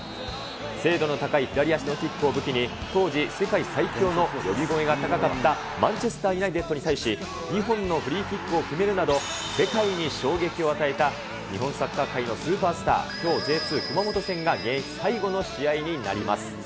精度の高い左足のキックを武器に、当時、世界最強の呼び声が高かったマンチェスター・ユナイテッドに対し、２本のフリーキックを決めるなど、世界に衝撃を与えた日本サッカー界のスーパースター、きょう、Ｊ２・熊本戦が現役最後の試合になります。